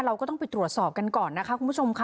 เราก็ต้องไปตรวจสอบกันก่อนนะคะคุณผู้ชมค่ะ